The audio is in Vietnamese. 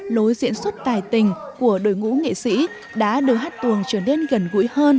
lối diễn xuất tài tình của đội ngũ nghệ sĩ đã đưa hát tuồng trở nên gần gũi hơn